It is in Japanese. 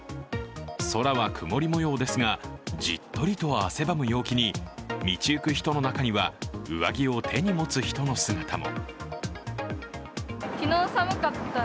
空は曇りもようですがじっとりと汗ばむ陽気に道行く人の中には上着を手に持つ人の姿も。